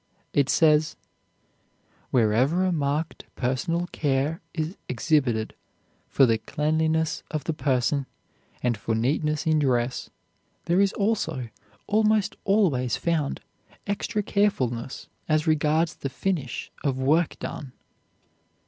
It says: "Wherever a marked personal care is exhibited for the cleanliness of the person and for neatness in dress, there is also almost always found extra carefulness as regards the finish of work done.